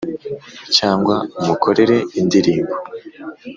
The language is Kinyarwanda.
cyangwa umukorere indirimbo